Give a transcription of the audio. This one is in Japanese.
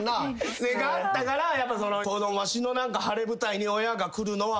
それがあったからこのわしの晴れ舞台に親が来るのは嫌。